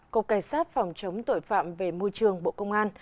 cộng cảnh sát phòng chống tội phạm về môi trường bộ công an